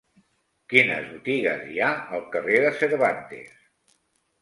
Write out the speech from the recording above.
Quines botigues hi ha al carrer de Cervantes?